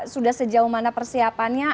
sudah sejauh mana persiapannya